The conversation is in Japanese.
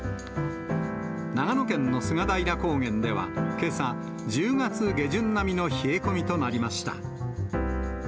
長野県の菅平高原では、けさ、１０月下旬並みの冷え込みとなりました。